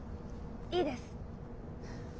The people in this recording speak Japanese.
いいです。